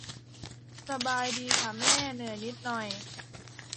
สบายดีค่ะแม่ เหนื่อยนิดหน่อย